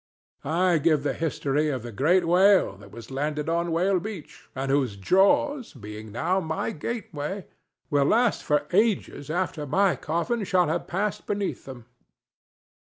I give the history of the great whale that was landed on Whale Beach, and whose jaws, being now my gateway, will last for ages after my coffin shall have passed beneath them.